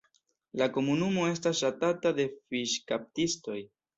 La komunumo estas ŝatata de fiŝkaptistoj.